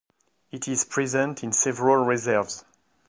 It is present in several reserves.